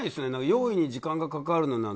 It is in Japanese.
用意にそんなに時間がかかるの？